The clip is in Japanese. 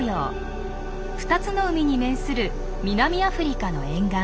２つの海に面する南アフリカの沿岸。